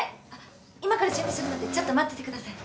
今から準備するのでちょっと待っててください。